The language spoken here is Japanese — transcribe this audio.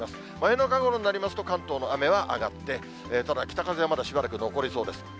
中ごろになりますと、関東の雨は上がって、ただ北風はまだしばらく残りそうです。